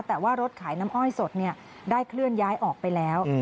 แต่ว่ารถขายน้ำอ้อยสดได้เคลื่อนย้ายออกไปแล้ว